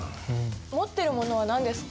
持っているものは何ですか？